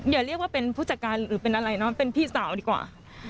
อย่าเรียกว่าเป็นผู้จัดการหรือเป็นอะไรเนาะเป็นพี่สาวดีกว่า